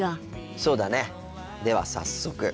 そうだねでは早速。